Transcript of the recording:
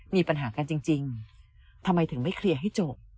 มีปัญหากันจริงทำไมถึงไม่เคลียร์ให้จบ